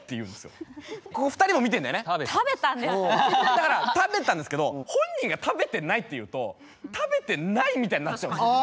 だから食べたんですけど本人が「食べてない」って言うと食べてないみたいになっちゃうんですよ。